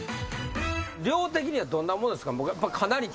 量的にはどんなもんですか？